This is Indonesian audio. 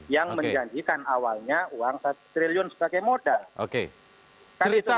yang menjanjikan awalnya uang satu triliun sebagai modal